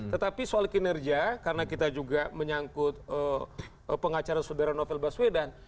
tetapi soal kinerja karena kita juga menyangkut pengacara saudara novel baswedan